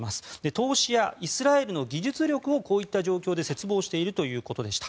投資やイスラエルの技術力をこういった状況で切望しているということでした。